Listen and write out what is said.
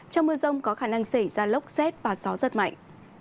trong mưa rông có khả năng xảy ra lốc xét và gió rất mạnh